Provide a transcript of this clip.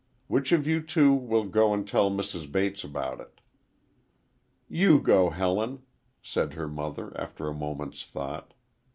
Which of you two will go and tell Mrs. Bates about it?" "You go, Helen," said her mother after a moment's thought.